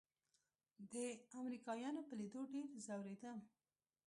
د امريکايانو په ليدو ډېر ځورېدم.